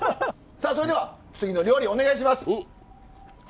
さあそれでは次の料理お願いします。